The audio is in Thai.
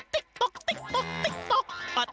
ติ๊กต๊อกติ๊กต๊อกติ๊กต๊อก